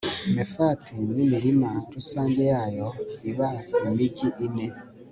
mefati n'imirima rusange yayo: iba imigi ine